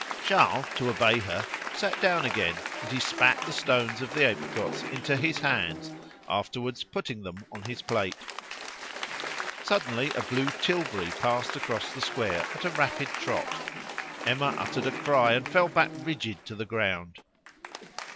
Charles, to obey her, sat down again, and he spat the stones of the apricots into his hands, afterwards putting them on his plate. Suddenly a blue tilbury passed across the square at a rapid trot. Emma uttered a cry and fell back rigid to the ground.